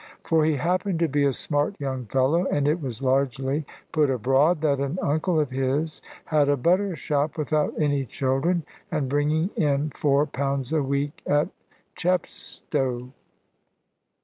For he happened to be a smart young fellow, and it was largely put abroad that an uncle of his had a butter shop, without any children, and bringing in four pounds a week at Chepstow.